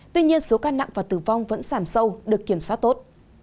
tuy nhiên số ca nặng và tử vong vẫn giảm sâu được kiểm soát tốt